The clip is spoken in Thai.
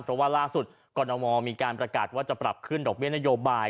เพราะว่าล่าสุดกรนมมีการประกาศว่าจะปรับขึ้นดอกเบี้นโยบาย